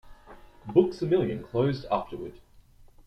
Books-A-Million closed afterward.